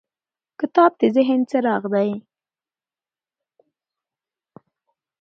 کتاب د ذهن څراغ دی.